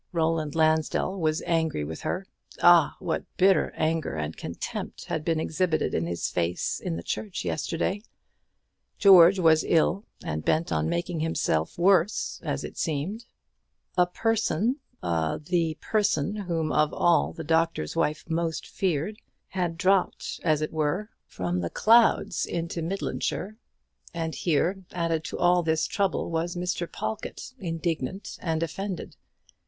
Roland Lansdell was angry with her. Ah! what bitter anger and contempt had been exhibited in his face in the church yesterday! George was ill, and bent on making himself worse, as it seemed; a Person the person whom of all others the Doctor's Wife most feared had dropped as it were from the clouds into Midlandshire; and here, added to all this trouble, was Mr. Pawlkatt indignant and offended.